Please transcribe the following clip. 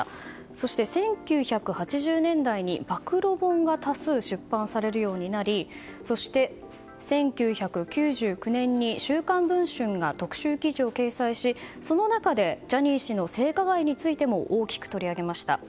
そして、１９８０年代に暴露本が多数出版されるようになりそして、１９９９年に「週刊文春」が特集記事を掲載し、その中でジャニー氏の性加害についても大きく取り上げました。